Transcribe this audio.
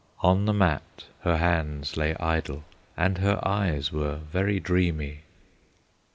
On the mat her hands lay idle, And her eyes were very dreamy.